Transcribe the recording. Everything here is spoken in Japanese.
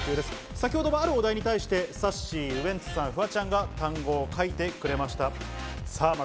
先ほど、あるお題に対してさっしー、ウエンツさん、フワちゃんが単語を書いてくれました。